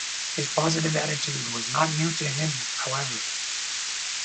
His positive attitude was not new to him, however.